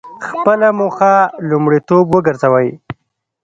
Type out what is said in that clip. خپله موخه لومړیتوب وګرځوئ.